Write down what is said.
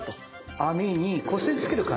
網にこすりつける感じ。